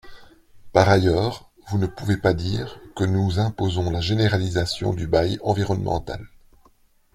Par ailleurs, vous ne pouvez pas dire que nous imposons la généralisation du bail environnemental.